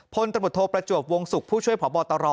พลตมตโธประจวบวงศุกร์ผู้ช่วยผ่อบอตร